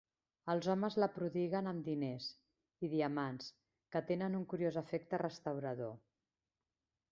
Els homes la prodiguen amb diners i diamants, que tenen un curiós efecte restaurador.